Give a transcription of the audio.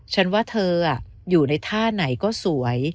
ฉันว่าเธออยู่ในท่าไหนก็สวย